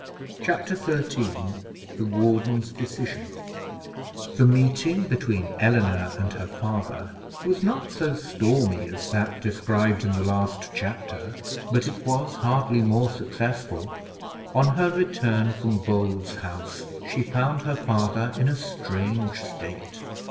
Chapter XIII THE WARDEN'S DECISION The meeting between Eleanor and her father was not so stormy as that described in the last chapter, but it was hardly more successful. On her return from Bold's house she found her father in a strange state.